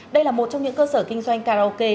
đây là một trong những cơ sở kinh doanh karaoke